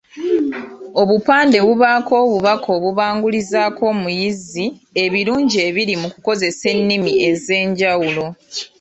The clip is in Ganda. Obupande bubaako obubaka obubagulizaako omuyizi ebirungi ebiri mu kukozesa ennimi ezenjawulo.